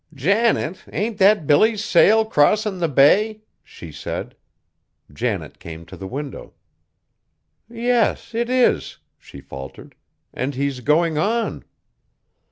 "Janet, ain't that Billy's sail crossin' the bay?" she said. Janet came to the window. "Yes, it is," she faltered; "and he's going on!"